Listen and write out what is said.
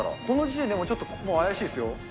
この時点からもうちょっと怪しいですよ。